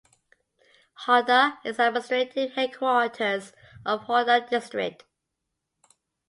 Harda is the administrative headquarters of Harda District.